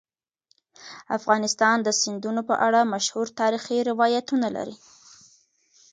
افغانستان د سیندونه په اړه مشهور تاریخی روایتونه لري.